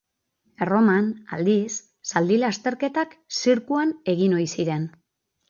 Erroman, aldiz, zaldi lasterketak zirkuan egin ohi ziren.